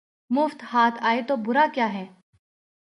مفت ہاتھ آئے تو برا کیا ہے